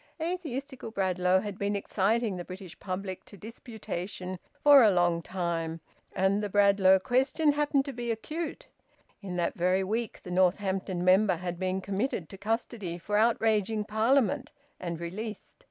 Atheistical Bradlaugh had been exciting the British public to disputation for a long time, and the Bradlaugh question happened then to be acute. In that very week the Northampton member had been committed to custody for outraging Parliament, and released.